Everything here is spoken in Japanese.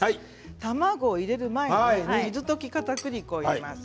卵を入れる前に水溶きかたくり粉を入れます。